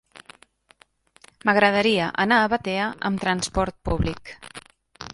M'agradaria anar a Batea amb trasport públic.